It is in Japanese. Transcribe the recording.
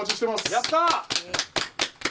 やったー！